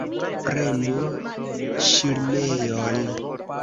Prenu ŝirmejon!